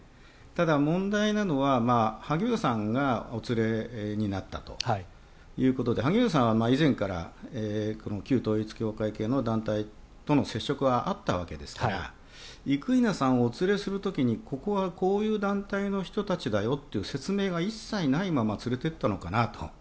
ただ、問題なのは萩生田さんがお連れになったということで萩生田さんは以前からこの旧統一教会系の団体との接触はあったわけですから生稲さんをお連れする時にここはこういう団体の人たちだよっていう説明が一切ないまま連れていったのかなと。